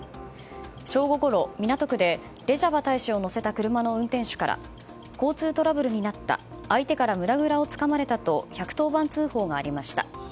正午ごろ、港区でレジャバ大使を乗せた車の運転手から交通トラブルになった相手から胸ぐらをつかまれたと１１０番通報がありました。